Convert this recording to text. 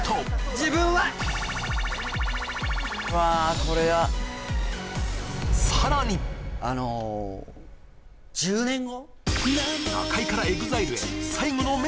自分は○○○わこれはさらにあの１０年後？